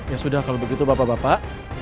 ya sudah kalau begitu bapak bapak